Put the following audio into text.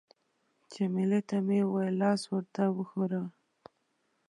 جميله ته مې وویل: لاس ورته وښوروه.